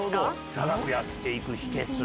長くやっていく秘けつ。